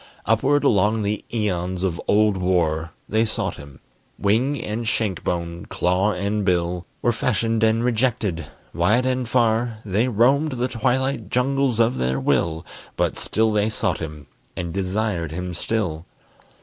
Upward along the æons of old war They sought him: wing and shank bone, claw and bill, Were fashioned and rejected; wide and far They roamed the twilight jungles of their will; But still they sought him, and desired him still.